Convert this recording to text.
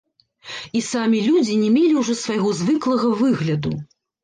І самі людзі не мелі ўжо свайго звыклага выгляду.